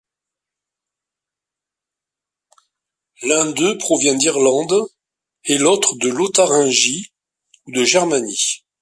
L'un d'eux provient d'Irlande et l'autre de Lotharingie ou de Germanie.